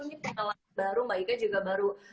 ini pengalaman baru mbak ika juga baru